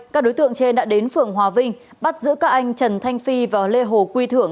các đối tượng trên đã đến phường hòa vinh bắt giữ các anh trần thanh phi và lê hồ quy thưởng